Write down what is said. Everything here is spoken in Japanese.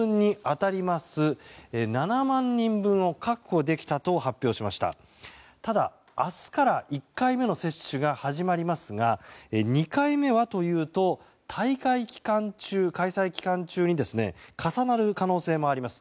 ただ、明日から１回目の接種が始まりますが２回目はというと大会期間中開催期間中に重なる可能性もあります。